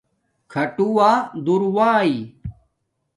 کھاٹووہ دور داݵ